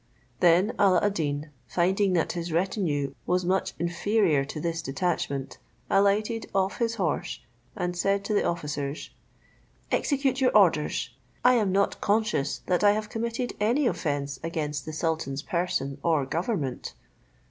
Then Alla ad Deen, finding that his retinue was much interior to this detachment, alighted off his horse, and said to the officers, "Execute your orders; I am not conscious that I have committed any offence against the sultan's person or government."